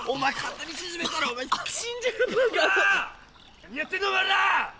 何やってんだお前ら！